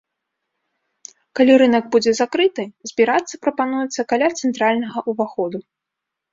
Калі рынак будзе закрыты, збірацца прапануецца каля цэнтральнага ўваходу.